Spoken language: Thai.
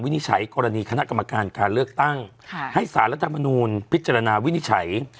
นิจฉัยกรณีคณะกรรมการการเลือกตั้งให้สารรัฐมนูลพิจารณาวินิจฉัย